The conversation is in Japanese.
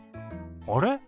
あれ？